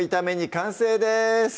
完成です